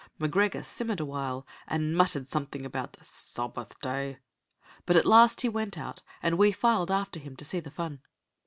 M'Gregor simmered a while, and muttered something about the "Sawbath day"; but at last he went out, and we filed after him to see the fun.